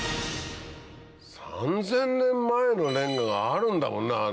３０００年前のれんががあるんだもんね！